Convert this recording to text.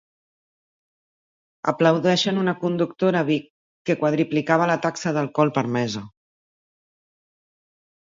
Aplaudeixen una conductora a Vic que quadruplicava la taxa d'alcohol permesa.